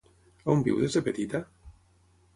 On viu des de petita?